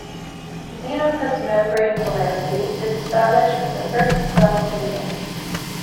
"Xenopus" membrane polarity is established with the first cell cleavage.